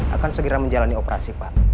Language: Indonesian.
akan segera menjalani operasi pak